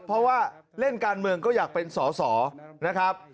เพราะว่าเล่นการเมืองก็อยากเป็นสอสอนะครับ